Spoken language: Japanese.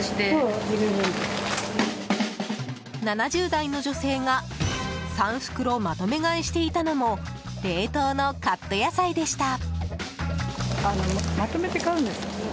７０代の女性が３袋まとめ買いしていたのも冷凍のカット野菜でした。